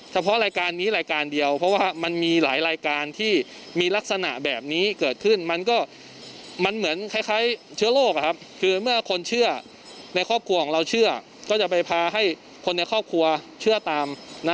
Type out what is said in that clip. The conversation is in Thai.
รายการนี้รายการเดียวเพราะว่ามันมีหลายรายการที่มีลักษณะแบบนี้เกิดขึ้นมันก็มันเหมือนคล้ายเชื้อโรคคือเมื่อคนเชื่อในครอบครัวของเราเชื่อก็จะไปพาให้คนในครอบครัวเชื่อตาม